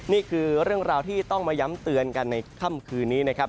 นี่คือเรื่องราวที่ต้องมาย้ำเตือนกันในค่ำคืนนี้นะครับ